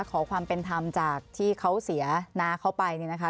ขอความเป็นธรรมจากที่เขาเสียน้าเขาไปเนี่ยนะคะ